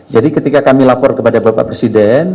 jadi ketika kami lapor kepada bapak presiden